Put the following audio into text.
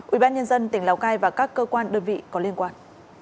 ubnd tỉnh lào cai và các cơ quan đơn vị có liên quan